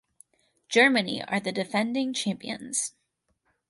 Germany are the defending champions.